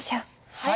はい。